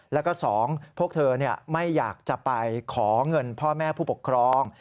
แล้วก็๒พวกเธอไม่อยากจะไปขอเงินพ่อแม่ผู้ปกครอง